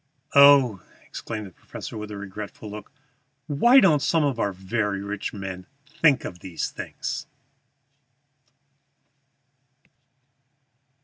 "Oh," exclaimed the professor, with regretful look, "why don't some of our very rich men think of these things!"